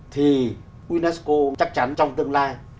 thì unesco chắc chắn trong tương lai